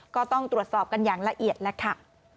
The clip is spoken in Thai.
ก็ต้องตรวจสอบกันอย่างละเอียดแล้วค่ะ